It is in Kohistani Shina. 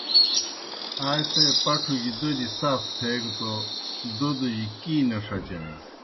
آئے سے پٹھوْگیْ دوْدیْ صاف تتھیگہ توْ دوْدوجیْ کِیں گہ نہ ݜَچانیْ۔